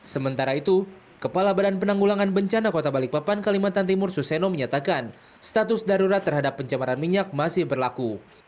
sementara itu kepala badan penanggulangan bencana kota balikpapan kalimantan timur suseno menyatakan status darurat terhadap pencemaran minyak masih berlaku